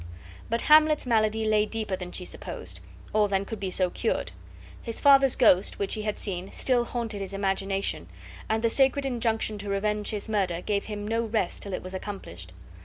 But Hamlet's malady lay deeper than she supposed, or than could be so cured. His father's ghost, which he had seen, still haunted his imagination, and the sacred injunction to revenge his murder gave him no rest till it was accomplished.